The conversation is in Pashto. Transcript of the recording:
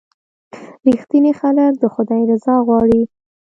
• رښتیني خلک د خدای رضا غواړي.